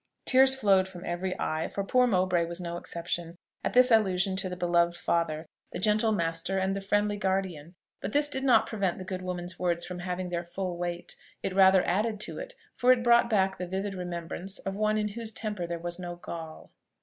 Tears flowed from every eye, for poor Mowbray was no exception, at this allusion to the beloved father, the gentle master, and the friendly guardian; but this did not prevent the good woman's words from having their full weight, it rather added to it, for it brought back the vivid remembrance of one in whose temper there was no gall.